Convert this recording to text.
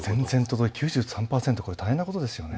９３％これ大変なことですよね。